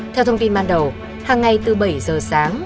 theo thông tin ban đầu hàng ngày từ bảy giờ sáng